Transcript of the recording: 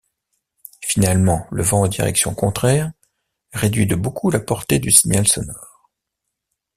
Finalement, le vent en direction contraire réduit de beaucoup la portée du signal sonore.